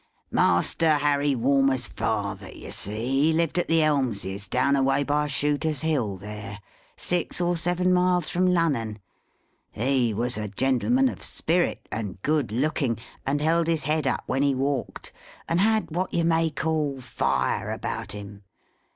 Master Harry Walmers' father, you see, he lived at the Elmses, down away by Shooter's Hill there, six or seven miles from Lunnon. He was a gentleman of spirit, and good looking, and held his head up when he walked, and had what you may call Fire about him.